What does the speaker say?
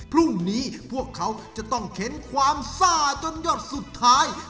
พรุ่งนี้พวกเขาจะต้องเข็นความซ่าจนหยดสุดท้าย